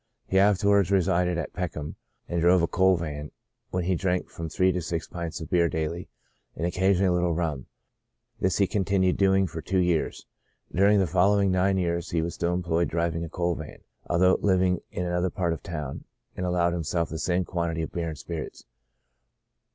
He afterwards resided at Peckham, and drove a coal van, when he drank from three to six pints of beer daily, and occasion ally a little rum; this he continued doing for two years. During the following nine years he was still employed driv ing a coal van, although living in another part of the town, and allowed himself the same quantity of beer and spirits.